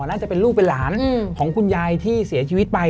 น่าจะเป็นลูกเป็นหลานของคุณยายที่เสียชีวิตไป